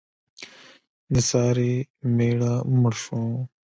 د سارې مېړه مړ شو.